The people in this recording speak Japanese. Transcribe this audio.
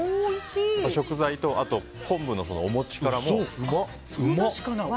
食材と、あとは昆布とお餅からも。